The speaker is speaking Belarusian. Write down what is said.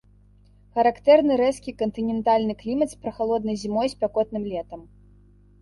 Характэрны рэзкі кантынентальны клімат з прахалоднай зімой і спякотным летам.